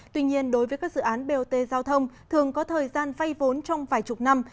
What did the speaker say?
tuy nhiên đối với các dự án bot giao thông thường có thời gian vay vốn trong vài chục năm